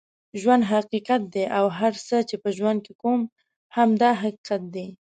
ژوند حقیقت دی اوهر څه چې په ژوند کې کوې هم دا حقیقت دی